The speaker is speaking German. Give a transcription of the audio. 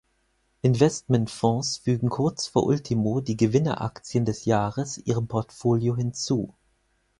Investmentfonds fügen kurz vor Ultimo die Gewinner-Aktien des Jahres ihrem Portfolio hinzu.